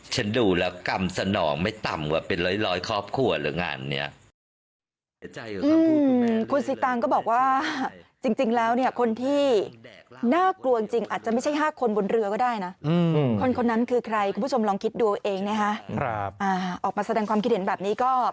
ดูแล้วกรรมสนองไม่ต่ำกว่าเป็นร้อยครอบครัวหรืองานนี้